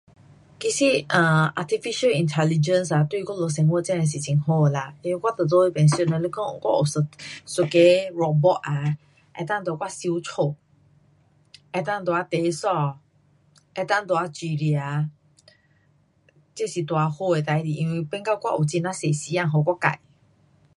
其实啊，artificial intelligence 啊对我们生活真的是很好啦。因为我就在那里想啦，若是讲我有一，一个 robot 啊能跟我收家，够能跟我折衣，能够跟我煮吃，这是多好的事情，因为变作我有很多时间给自。